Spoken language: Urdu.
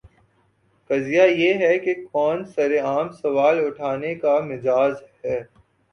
قضیہ یہ ہے کہ کون سر عام سوال اٹھانے کا مجاز ہے؟